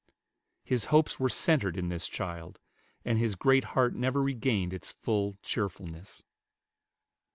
His hopes were centered in this child; and his great heart never regained its full cheerfulness.